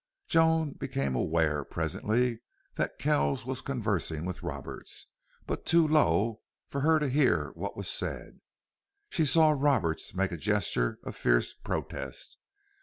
Joan became aware, presently, that Kells was conversing with Roberts, but too low for her to hear what was said. She saw Roberts make a gesture of fierce protest.